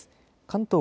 関東